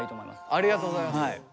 ありがとうございます。